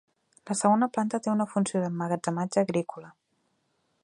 La segona planta té una funció d'emmagatzemament agrícola.